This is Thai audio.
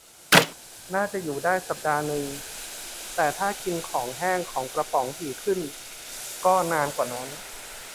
น่าจะอยู่ได้สัปดาห์นึง แต่ถ้ากินของแห้งของกระป๋องถี่ขึ้นก็นานกว่านั้น